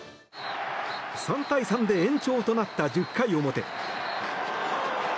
３対３で延長となった１０回表。